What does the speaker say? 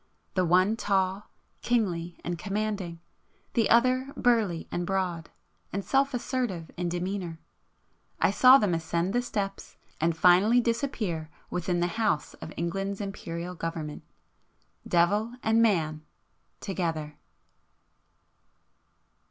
the one tall, kingly and commanding, ... the other burly and broad, and self assertive in demeanour;—I saw them ascend the steps, and finally disappear within the House of England's Imperial Government,—Devil and Man,—together!